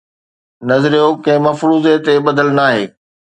نظريو ڪنهن مفروضي تي ٻڌل ناهي